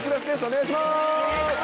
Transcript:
お願いします。